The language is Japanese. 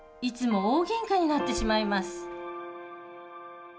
いつも大げんかになってしまいます